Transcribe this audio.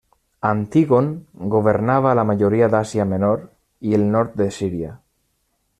Antígon governava la majoria de l'Àsia Menor i el nord de Síria.